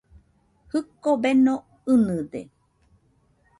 Jɨko beno ɨnɨde.